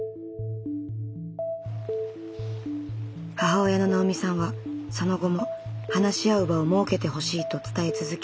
母親の直美さんはその後も話し合う場を設けてほしいと伝え続け